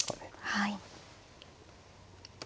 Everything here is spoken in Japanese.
はい。